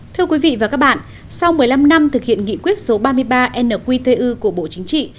thưa quý vị và các bạn sau một mươi năm năm thực hiện nghị quyết số ba mươi ba nqtu của bộ chính trị